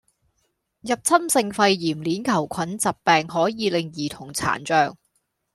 入侵性肺炎鏈球菌疾病可以令兒童殘障